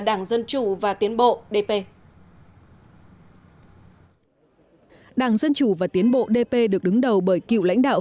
đảng dân chủ và tiến bộ đảng dân chủ và tiến bộ được đứng đầu bởi cựu lãnh đạo